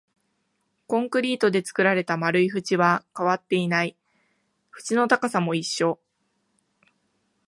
コンクリートで作られた丸い縁は変わっていない、縁の高さも一緒